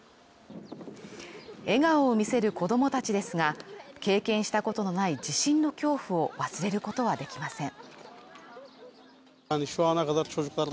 笑顔を見せる子供たちですが、経験したことのない地震の恐怖を忘れることはできません。